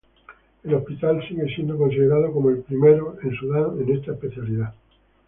El hospital sigue siendo considerado como el primero en Sudán en esta especialidad.